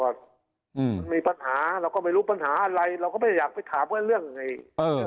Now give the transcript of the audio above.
มันมีปัญหาเราก็ไม่รู้ปัญหาอะไรเราก็ไม่ได้อยากไปถามกันเรื่องไอ้เออ